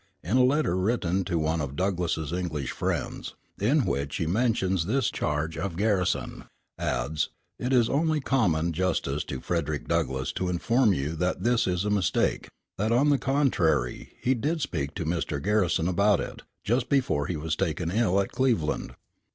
in a letter written to one of Douglass's English friends, in which he mentions this charge of Garrison, adds, "It is only common justice to Frederick Douglass to inform you that this is a mistake; that, on the contrary, he did speak to Mr. Garrison about it, just before he was taken ill at Cleveland."